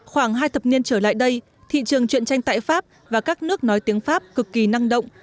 khoảng hai thập niên trở lại đây thị trường chuyện tranh tại pháp và các nước nói tiếng pháp cực kỳ năng động